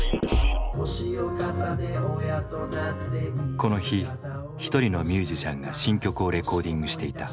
この日一人のミュージシャンが新曲をレコーディングしていた。